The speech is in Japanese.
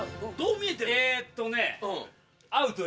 えっとね。